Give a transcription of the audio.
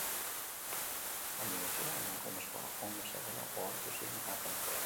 Handik gutxira, emakumezkoa ondo ez zegoela ohartu ziren agenteak.